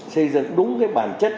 xây dựng đúng bản chất